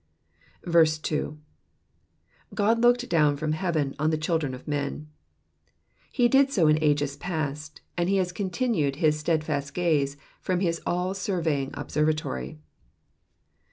2. ''''Qod looked down from heaven upon the children of men/^ He did so in ages past, and he has continued his steadfast gaze from his all surveying observatory.